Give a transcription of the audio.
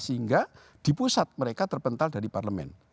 sehingga di pusat mereka terpental dari parlemen